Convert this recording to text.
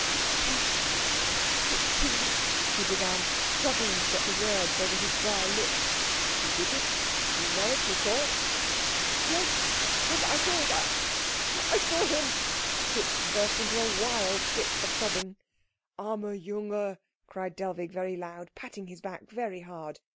"He he " he began, struggling to get the words over his dry lips. "He did it? You know it? You saw it?" "Yes, yes, I saw it I saw him " Klutz burst into a wild fit of sobbing. "Armer Junge," cried Dellwig very loud, patting his back very hard.